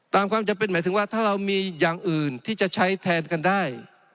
ความจำเป็นหมายถึงว่าถ้าเรามีอย่างอื่นที่จะใช้แทนกันได้